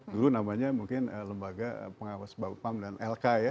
dulu namanya mungkin lembaga pengawas bapam dan lk ya